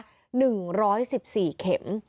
รวมรวมแรงระวัง๑๑๔เค็ม